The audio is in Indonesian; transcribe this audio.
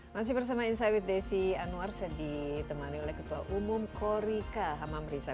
masih bersama insight with desi anwar saya ditemani oleh ketua umum korika hamam riza